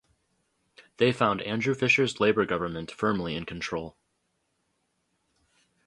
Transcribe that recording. They found Andrew Fisher's Labor government firmly in control.